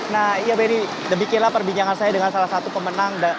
nah iya benny demikianlah perbincangan saya dengan salah satu pemenang